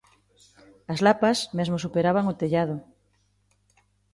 As lapas mesmo superaban o tellado.